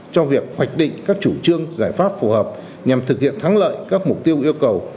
cho việc hoạch định các chủ trương giải pháp phù hợp nhằm thực hiện thắng lợi các mục tiêu yêu cầu